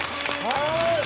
はい。